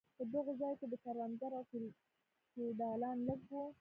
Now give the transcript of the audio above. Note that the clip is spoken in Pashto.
په دغو ځایو کې کروندګر او فیوډالان لږ وو.